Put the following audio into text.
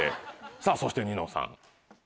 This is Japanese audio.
さぁそしてニノさん。